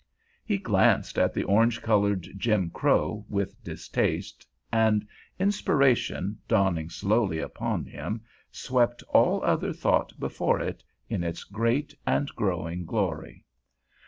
He glanced at the orange colored "Jim Crow" with distaste, and inspiration, dawning slowly upon him, swept all other thought before it in its great and growing glory.